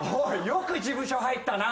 よく事務所入ったな。